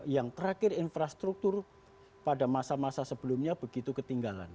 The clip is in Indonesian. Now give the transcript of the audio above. yang terakhir infrastruktur pada masa masa sebelumnya begitu ketinggalan